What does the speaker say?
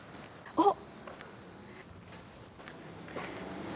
あっ！